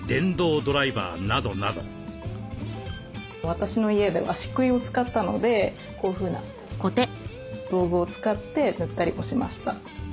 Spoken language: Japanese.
私の家ではしっくいを使ったのでこういうふうな道具を使って塗ったりもしました。